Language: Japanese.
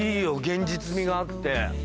現実味があって。